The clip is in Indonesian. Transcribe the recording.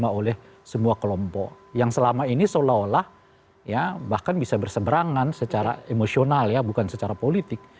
diterima oleh semua kelompok yang selama ini seolah olah ya bahkan bisa berseberangan secara emosional ya bukan secara politik